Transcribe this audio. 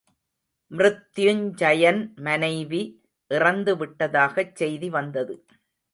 மிருத்யுஞ்சயன் மனைவி இறந்து விட்டதாகச் செய்தி வந்தது.